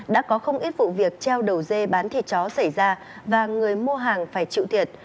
đã có không ít vụ việc treo đầu dê bán thịt chó xảy ra và người mua hàng phải chịu thiệt